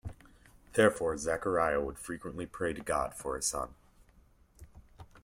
Therefore, Zachariah would frequently pray to God for a son.